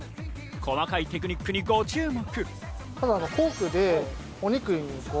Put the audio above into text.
細かいテクニックにご注目。